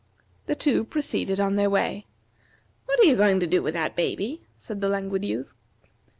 The two proceeded on their way. "What are you going to do with that baby?" said the Languid Youth.